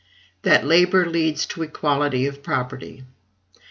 That Labor leads to Equality of Property.